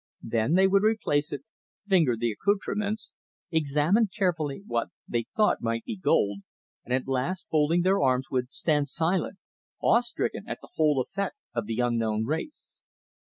Then they would replace it, finger the accoutrements, examine carefully what they thought might be gold, and at last, folding their arms, would stand silent, awe stricken at the whole effect of the unknown race.